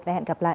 và hẹn gặp lại